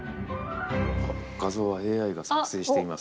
画像はＡＩが作成しています。